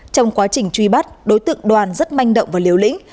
trong quá trình truy bắt đối tượng đoàn rất manh động và liều lĩnh